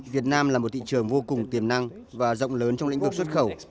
việt nam là một thị trường vô cùng tiềm năng và rộng lớn trong lĩnh vực xuất khẩu